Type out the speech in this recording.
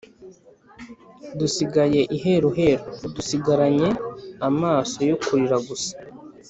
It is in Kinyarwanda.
dusigaye i heruheru ! dusigaranye amaso yo kurira gusa.